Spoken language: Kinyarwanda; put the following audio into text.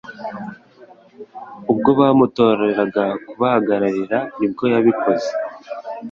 ubwo bamutoreraga kubahagararira nibwo yabikoze